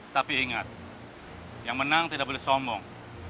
tapi ingat yang menang tidak boleh sombong